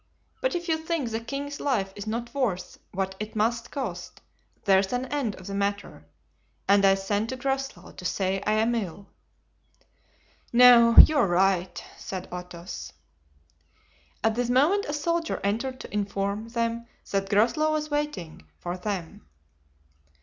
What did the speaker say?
But if you think the king's life is not worth what it must cost there's an end of the matter and I send to Groslow to say I am ill." "No, you are right," said Athos. At this moment a soldier entered to inform them that Groslow was waiting for them.